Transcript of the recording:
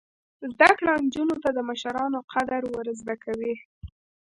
زده کړه نجونو ته د مشرانو قدر ور زده کوي.